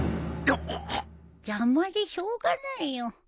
邪魔でしょうがないよ。